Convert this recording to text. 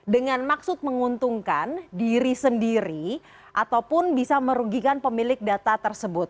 dengan maksud menguntungkan diri sendiri ataupun bisa merugikan pemilik data tersebut